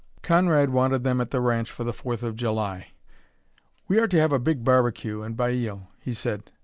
Conrad wanted them at the ranch for the Fourth of July. "We are to have a big barbecue and baile," he said.